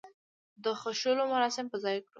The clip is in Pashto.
د خښولو مراسم په ځاى کړو.